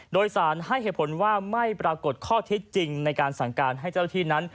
โดยสารให้เหตุผลว่าไม่ปรากฏข้อเท็จจริงในการสั่งการให้เจ้าที่นั้น